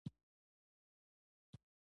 هغه دا مبارزه پراخه کړه.